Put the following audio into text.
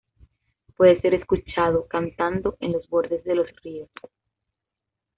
Puede ser escuchado cantando en los borde de los ríos.